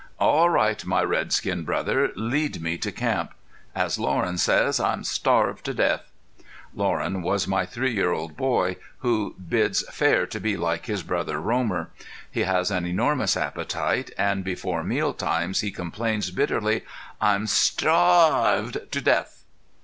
"All right, my redskin brother, lead me to camp. As Loren says, I'm starved to death." Loren is my three year old boy, who bids fair to be like his brother Romer. He has an enormous appetite and before meal times he complains bitterly: "I'm starv ved to death!"